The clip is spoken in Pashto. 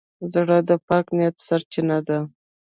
زړه د پاک نیت سرچینه ده.